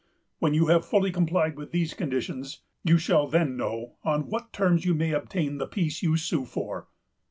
When you have fully complied with these conditions, you shall then know on what terms you may obtain the peace you sue for."